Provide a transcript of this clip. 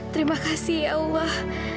terima kasih ya allah